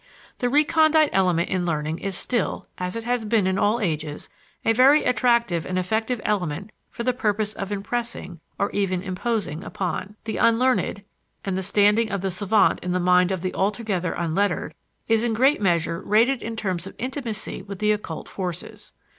The recondite element in learning is still, as it has been in all ages, a very attractive and effective element for the purpose of impressing, or even imposing upon, the unlearned; and the standing of the savant in the mind of the altogether unlettered is in great measure rated in terms of intimacy with the occult forces.